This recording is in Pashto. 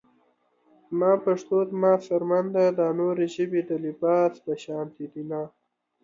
زما پښتو زما څرمن ده دا نورې ژبې د لباس پشانته دينه